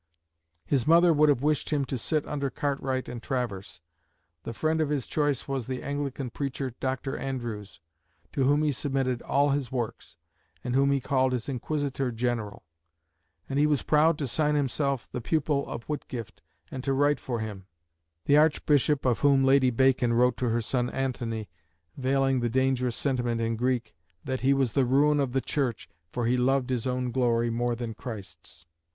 His mother would have wished him to sit under Cartwright and Travers. The friend of his choice was the Anglican preacher, Dr. Andrewes, to whom he submitted all his works, and whom he called his "inquisitor general;" and he was proud to sign himself the pupil of Whitgift, and to write for him the archbishop of whom Lady Bacon wrote to her son Antony, veiling the dangerous sentiment in Greek, "that he was the ruin of the Church, for he loved his own glory more than Christ's."